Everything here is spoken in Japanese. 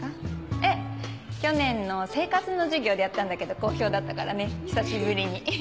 ええ去年の生活の授業でやったんだけど好評だったからね久しぶりに。